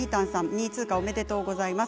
２位通過、おめでとうございます。